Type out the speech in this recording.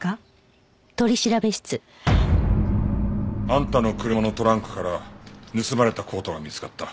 あんたの車のトランクから盗まれたコートが見つかった。